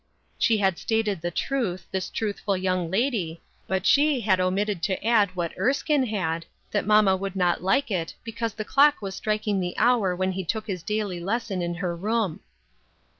She had stated the truth, this truthful young lady, but she had omitted to add what Erskine had, that mamma would not like it, because the clock was striking the hour when he took his daily lesson in her room.